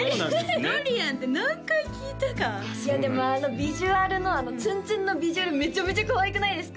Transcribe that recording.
ドリアンって何回聞いたかいやでもビジュアルのツンツンのビジュアルめちゃめちゃかわいくないですか？